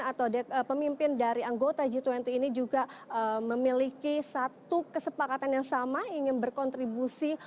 atau pemimpin dari anggota g dua puluh ini juga memiliki satu kesepakatan yang sama ingin berkontribusi